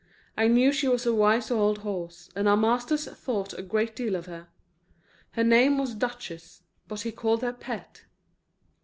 I knew she was a wise old horse, and our master thought a great deal of her. Her name was Duchess, but he called her Pet.